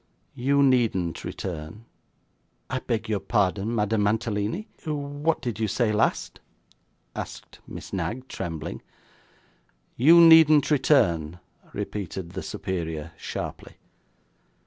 You needn't return.' 'I beg your pardon, Madame Mantalini, what did you say last?' asked Miss Knag, trembling. 'You needn't return,' repeated the superior, sharply.